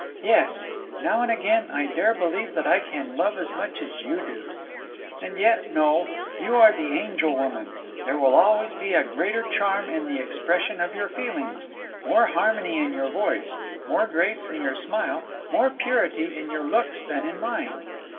Yes, now and again, I dare believe that I can love as much as you do. "And yet, no; you are the angel woman; there will always be a greater charm in the expression of your feelings, more harmony in your voice, more grace in your smile, more purity in your looks than in mine.